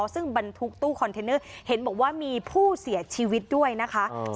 ซึ่งบรรทุกตู้คอนเทนเนอร์เห็นบอกว่ามีผู้เสียชีวิตด้วยนะคะ